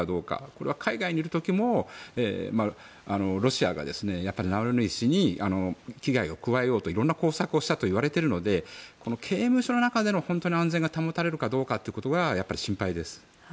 これは海外にいる時もロシアがナワリヌイ氏に危害を加えようと色々な工作をしたといわれているので刑務所の中での安全が保たれるかどうかということがやっぱり心配です。